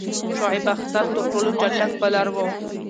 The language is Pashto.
شعیب اختر تر ټولو چټک بالر وو.